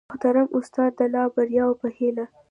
د محترم استاد د لا بریاوو په هیله